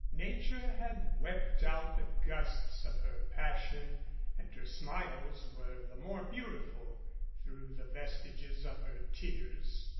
Nature had wept out the gusts of her passion and her smiles were the more beautiful through the vestiges of her tears.